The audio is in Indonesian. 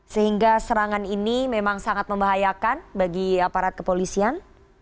sehingga serangan ini memang sangat membahayakan bagi aparat kepolisian